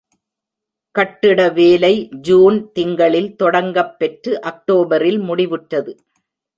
கட்டிட வேலை ஜூன் திங்களில் தொடங்கப் பெற்று அக்டோபரில் முடிவுற்றது.